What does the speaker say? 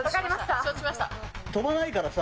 飛ばないからさ。